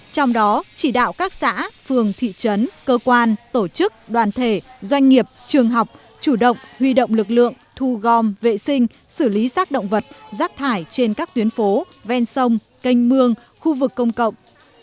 trong đó chỉ đạo các xã phường thị trấn cơ quan tổ chức đoàn thể doanh nghiệp trường học chủ động huy động lực lượng thu gom vệ sinh xử lý rác động vật rác thải trên các tuyến phố ven sông canh mương khu vực công cộng